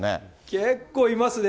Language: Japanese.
結構いますね。